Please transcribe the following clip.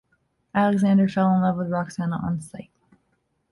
Alexander fell in love with Roxana on sight.